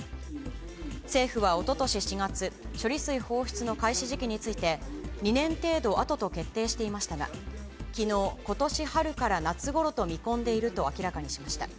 政府はおととし４月、処理水放出の開始時期について、２年程度あとと決定していましたが、きのう、ことし春から夏ごろと見込んでいると明らかにしました。